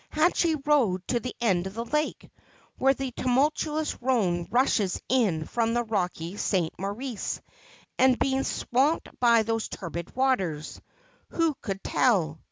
Had she rowed to the end of the lake, where the tumul tuous Rhone rushes in from rocky St. Maurice, and been swamped by those turbid waters? Who could tell?